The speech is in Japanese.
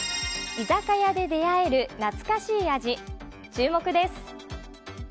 居酒屋で出会える懐かしい味注目です。